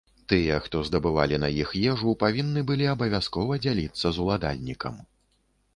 Тыя, хто здабывалі на іх ежу, павінны былі абавязкова дзяліцца з уладальнікам.